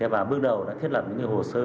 và bước đầu đã thiết lập những hồ sơ